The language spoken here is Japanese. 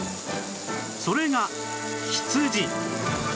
それが羊